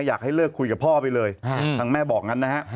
อยากให้เลิกคุยกับพ่อไปเลยทางแม่บอกงั้นนะฮะ